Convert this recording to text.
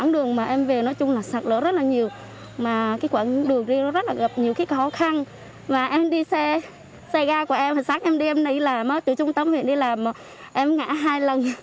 sáng em đi em đi làm từ trung tâm huyện đi làm em ngã hai lần